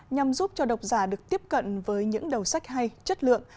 nhằm giúp cho độc giả được tiếp cận với những đầu sách hay chất lượng